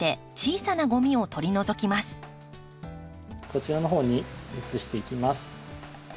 こちらのほうに移していきます。